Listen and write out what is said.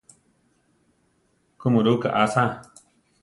Kuʼmurúka asá!